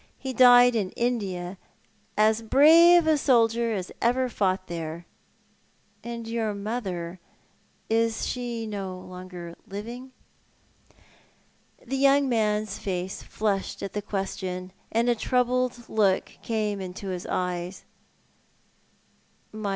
He died in India, as brave a soldier as ever fought there." " And your mother — is she no longer living? " The young man's face flushed at the question, and^a troubled look came into his eyes.